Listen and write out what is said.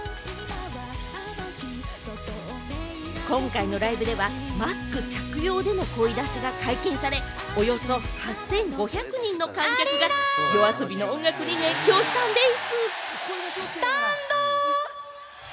今回のライブではマスク着用での声出しが解禁され、およそ８５００人の観客がＹＯＡＳＯＢＩの音楽に熱狂したんです。